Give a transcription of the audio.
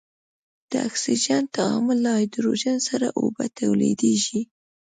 د اکسجن تعامل له هایدروجن سره اوبه تولیدیږي.